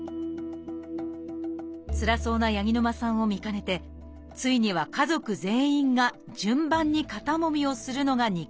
つらそうな八木沼さんを見かねてついには家族全員が順番に肩もみをするのが日課となりました